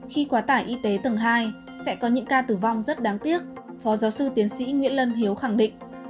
khi quá tải y tế tầng hai sẽ có những ca tử vong rất đáng tiếc phó giáo sư tiến sĩ nguyễn lân hiếu khẳng định